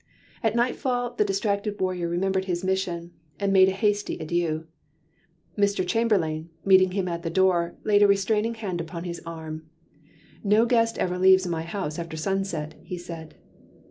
At night fall the distracted warrior remembered his mission, and made a hasty adieu. Mr. Chamberlayne, meeting him at the door, laid a restraining hand upon his arm. "No guest ever leaves my house after sunset," he said.